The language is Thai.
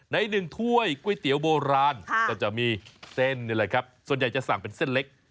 ในหนึ่งถ้วยก๋วยเตี๋ยวโบราณก็จะมีเส้นนี่แหละครับส่วนใหญ่จะสั่งเป็นเส้นเล็ก